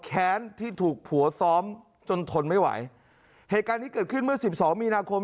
แค้นที่ถูกผัวซ้อมจนทนไม่ไหวเหตุการณ์นี้เกิดขึ้นเมื่อสิบสองมีนาคม